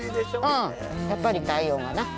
うんやっぱり太陽がな。